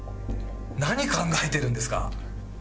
何考えてるんですか！